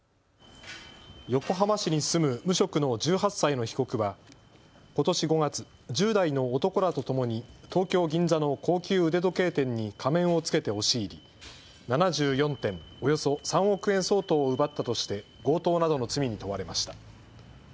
横浜市に住む無職の１８歳の被告はことし５月、１０代の男らとともに東京銀座の高級腕時計店に仮面を着けて押し入り７４点、およそ３億円相当を奪ったとして強盗などの罪に問われました。